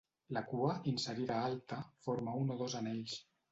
La cua, inserida alta, forma un o dos anells.